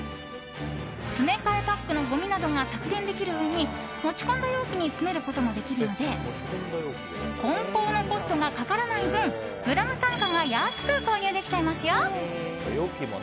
詰め替えパックのごみなどが削減できるうえに持ち込んだ容器に詰めることもできるので梱包のコストがかからない分グラム単価が安く購入できちゃいますよ。